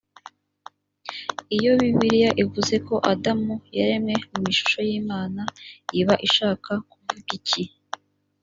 iyo bibiliya ivuze ko adamu yaremwe mu ishusho y imana iba ishaka kuvuga iki?